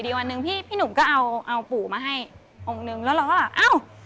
วันหนึ่งพี่พี่หนุ่มก็เอาเอาปู่มาให้องค์นึงแล้วเราก็แบบอ้าว